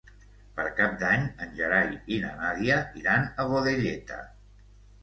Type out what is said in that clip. Per Cap d'Any en Gerai i na Nàdia iran a Godelleta.